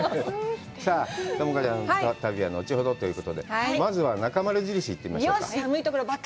さあ、友香ちゃんの旅は後ほどということで、まずは、「なかまる印」行ってみましょうか。